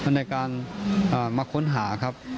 ในการมาค้นหาครับ